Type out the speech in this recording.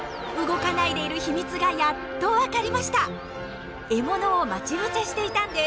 動かないでいる秘密がやっと分かりました。